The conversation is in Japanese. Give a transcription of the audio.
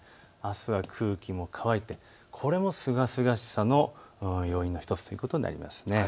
あすは空気も乾いてこれもすがすがしさの要因の１つとなりそうです。